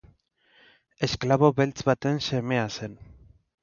Esklabo beltz baten semea zen.